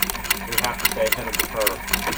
We have to stay ahead of the curve.